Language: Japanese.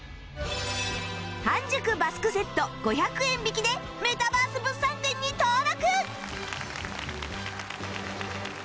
半熟バスクセット５００円引きでメタバース物産展に登録！